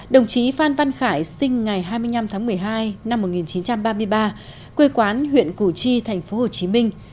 đồng chí phan văn khải sinh ngày hai mươi năm tháng một mươi hai năm một nghìn chín trăm ba mươi ba quê quán huyện củ chi thành phố hồ chí minh